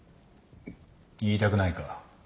言いたくないか。